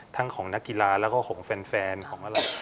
ทั้งของนักกีฬาแล้วก็ของแฟนของเรา